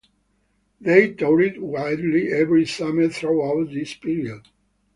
They toured widely every summer throughout this period.